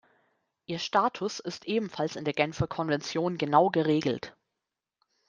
Ihr Status ist ebenfalls in der Genfer Konvention genau geregelt.